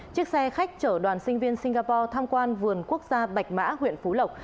chiếc xe khách chở đoàn sinh viên singapore tham quan vườn quốc gia bạch mã huyện phú lộc